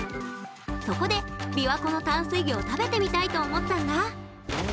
そこでびわ湖の淡水魚を食べてみたいと思ったんだ。